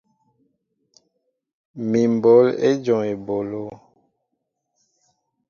Mi mɓǒl éjom eɓólo.